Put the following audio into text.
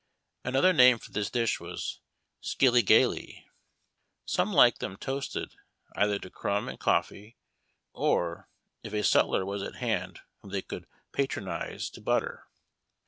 Another name for this dish was " skillygalee." Some liked them toasted, either to crumb in coffee, or, if a sutler was at hand whom they could patronize, to butter.